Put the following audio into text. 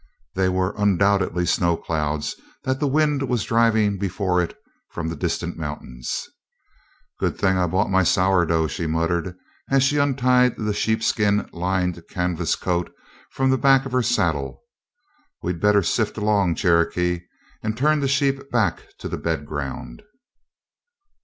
They were undoubtedly snow clouds that the wind was driving before it from the distant mountains. "Good thing I brought my sour dough," she muttered as she untied the sheepskin lined canvas coat from the back of her saddle. "We'd better sift along, Cherokee, and turn the sheep back to the bed ground."